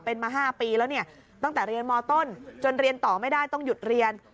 เป็นมา๕ปีแล้วเนี่ยตั้งแต่เรียนมต้นจนเรียนต่อไม่ได้ต้องหยุดเรียน